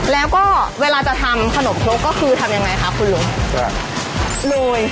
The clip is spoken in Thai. แล้วก็เวลาจะทำขนมครกก็คือทำยังไงคะคุณลุงจ้ะเลย